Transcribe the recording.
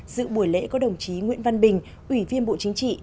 dự buổi lễ có đồng chí nguyễn văn bình ủy viên bộ chính trị